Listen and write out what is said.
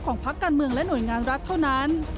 พักการเมืองและหน่วยงานรัฐเท่านั้น